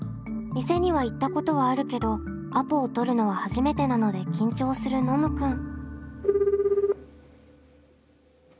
店には行ったことはあるけどアポを取るのは初めてなので緊張するノムくん。